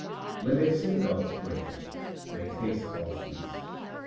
When they sing God's praises, they taste all sweets.